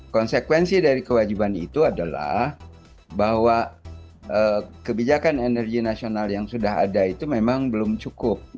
konsekuensi dari kewajiban itu adalah bahwa kebijakan energi nasional yang sudah ada itu memang belum cukup